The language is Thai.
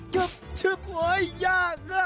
ชึบชึบโอ๊ยยาก